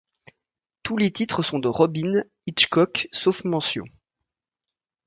Tous les titres sont de Robyn Hitchcock, sauf mentions.